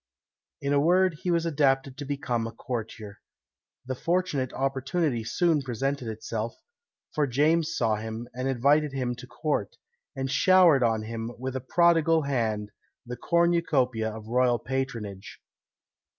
In a word, he was adapted to become a courtier. The fortunate opportunity soon presented itself; for James saw him, and invited him to court, and showered on him, with a prodigal hand, the cornucopia of royal patronage.